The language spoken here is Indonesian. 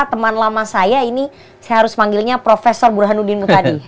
teman lama saya ini saya harus panggilnya profesor burhanuddin tadi